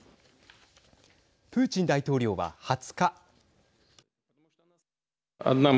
プーチン大統領は２０日。